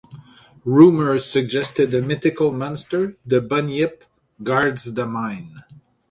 Rumors suggested a mythical monster, the Bunyip, guards the mine.